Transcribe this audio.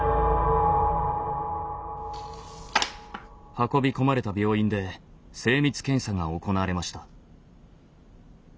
運び込まれた病院で精密検査が行われました。